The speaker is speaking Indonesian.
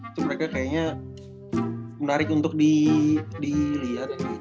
itu mereka kayaknya menarik untuk dilihat